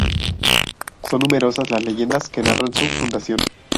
Son numerosas las leyendas que narran su fundación.